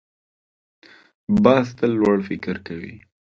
باز تل لوړ فکر کوي